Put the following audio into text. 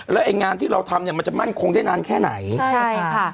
แล้วไอ้งานที่เราทำเนี่ยมันจะมั่นคงได้นานแค่ไหนใช่ค่ะ